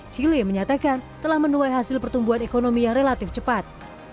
chile menyatakan telah menuai hasil pertumbuhan ekonomi yang relatif cepat